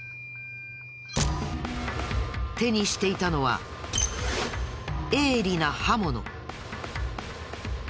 手にしていたのは鋭利な刃物。